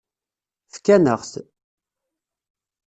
Fkan-aɣ-t.